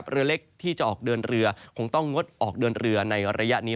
เรือเล็กที่จะออกเดินเรือคงต้องงดออกเดินเรือในระยะนี้